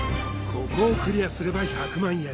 ここをクリアすれば１００万円